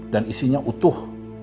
dan isinya utuh